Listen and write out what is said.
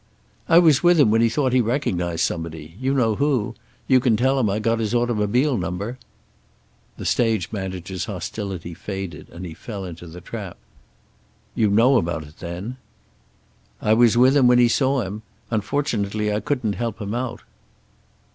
"I was with him when he thought he recognized somebody. You know who. You can tell him I got his automobile number." The stage manager's hostility faded, and he fell into the trap. "You know about it, then?" "I was with him when he saw him. Unfortunately I couldn't help him out."